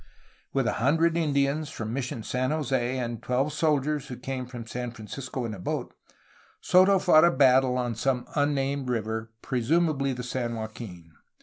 With a hundred Indians from Mis sion San Jose and twelve soldiers who came from San Francisco in a boat, Soto fought a battle on some unnamed river, presumably the San Joaquin.